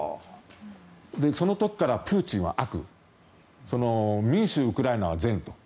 その時からプーチンは悪民主ウクライナは善と。